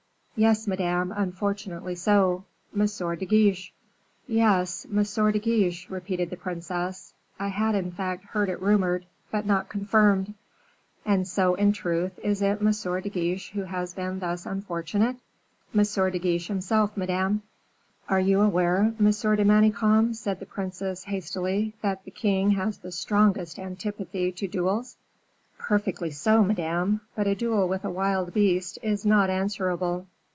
"Yes, Madame, unfortunately so Monsieur de Guiche." "Yes, Monsieur de Guiche," repeated the princess. "I had, in fact, heard it rumored, but not confirmed. And so, in truth, it is Monsieur de Guiche who has been thus unfortunate?" "M. de Guiche himself, Madame." "Are you aware, M. de Manicamp," said the princess, hastily, "that the king has the strongest antipathy to duels?" "Perfectly so, Madame; but a duel with a wild beast is not answerable."